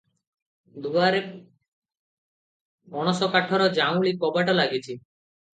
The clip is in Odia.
ଦୁଆରେ ପଣସ କାଠର ଯାଉଁଳି କବାଟ ଲାଗିଛି ।